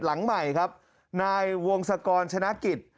หลังใหม่ครับนายวงศกรชนะกิจ